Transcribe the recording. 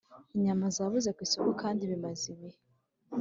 Inyama zabuze kw’isoko kandi bimaze ibihe